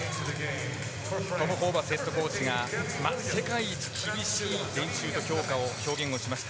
トム・ホーバスヘッドコーチが世界一厳しい練習と表現をしました。